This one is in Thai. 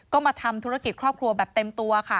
ก็มาทำธุรกิจครอบครัวแบบเต็มตัวค่ะ